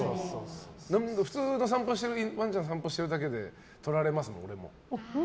普通にワンちゃん散歩してるだけで撮られますもん、俺も。